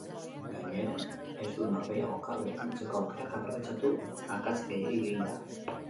Gainera, ez du norgehiagoka berdintzeko aukerak aprobetxatu, akats gehiegi eginda.